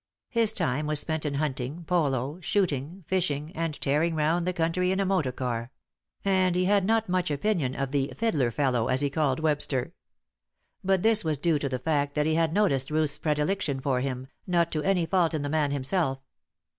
His time was spent in hunting, polo, shooting, fishing, and tearing round the country in a motor car: and he had not much opinion of the "fiddler fellow," as he called Webster. But this was due to the fact that he had noticed Ruth's predilection for him, not to any fault in the man himself.